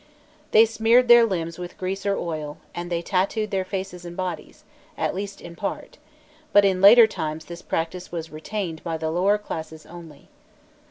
They smeared their limbs with grease or oil, and they tattooed their faces and bodies, at least in part; but in later times this practice was retained by the lower classes only.